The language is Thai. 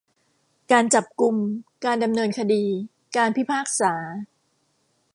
การจับกุม การดำเนินคดี การพิพากษา